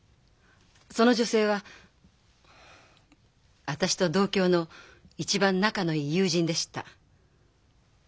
その女性は私と同郷の一番仲のいい友人でした。